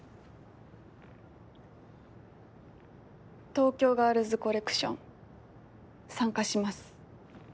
東京ガールズコレクション参加します。